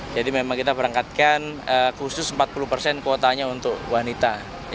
jadi memang kita berangkatkan khusus empat puluh persen kuotanya untuk wanita